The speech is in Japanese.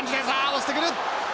押してくる！